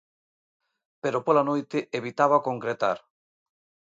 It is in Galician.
Pero pola noite evitaba concretar.